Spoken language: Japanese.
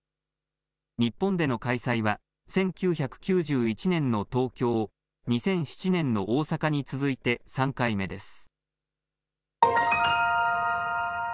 日本での開催は１９９１年の東京、２００７年の大阪に続いて３回目です。